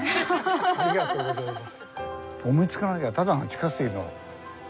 ありがとうございます。